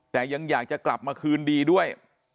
แต่ยังอยากจะกลับมาคืนดีด้วย